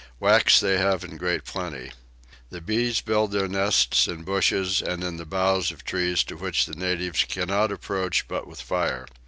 Wax they have in great plenty. The bees build their nests in bushes and in the boughs of trees to which the natives cannot approach but with fire.